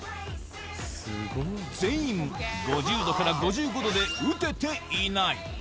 全員、５０度から５５度で打てていない。